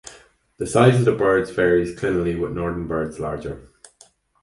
The size of the birds varies clinally with northern birds larger.